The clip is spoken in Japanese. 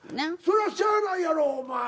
そらしゃあないやろお前。